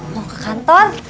mau ke kantor